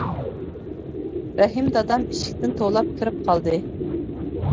رەھىم دادام ئىشىكتىن توۋلاپ كىرىپ قالدى.